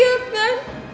aku gak mau